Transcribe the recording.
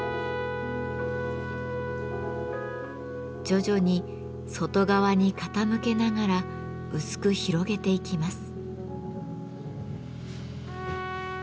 徐々に外側に傾けながら薄く広げていきます。